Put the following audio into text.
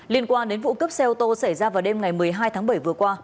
liên quan đến vụ cướp xe ô tô xảy ra vào đêm ngày một mươi hai tháng bảy vừa qua